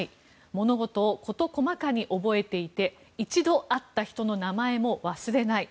物事を事細かに覚えていて一度会った人の名前も忘れない。